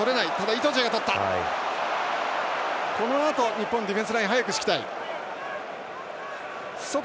日本ディフェンスラインを早く敷きたい。